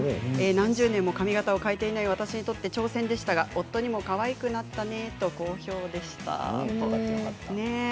何十年も髪形を変えていない私にとって挑戦でしたが夫にもかわいくなったねと好評でしたということです。